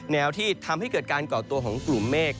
แนวที่ทำให้เกิดการก่อตัวของกลุ่มเมฆ